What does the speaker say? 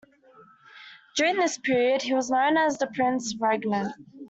During this period, he was known as "the Prince Regent".